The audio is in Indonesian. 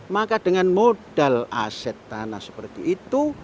maka dengan modal aset tanah seperti itu